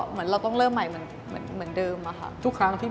หรือนานเยาวนาน